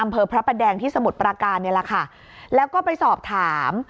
อพระแปดแดงที่สมุดประการแล้วก็ไปสอบถาม